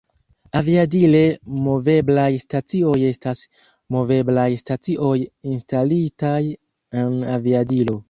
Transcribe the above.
Aviadile-moveblaj stacioj estas moveblaj stacioj instalitaj en aviadilo.